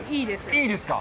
いいですか？